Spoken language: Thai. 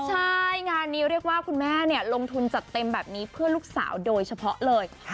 ใช่งานนี้เรียกว่าคุณแม่ลงทุนจัดเต็มแบบนี้เพื่อลูกสาวโดยเฉพาะเลย